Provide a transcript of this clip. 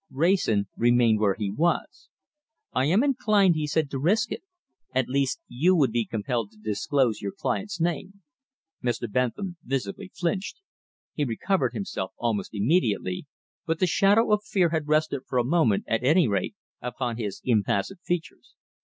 Wrayson remained where he was. "I am inclined," he said, "to risk it. At least you would be compelled to disclose your client's name." Mr. Bentham visibly flinched. He recovered himself almost immediately, but the shadow of fear had rested for a moment, at any rate, upon his impassive features.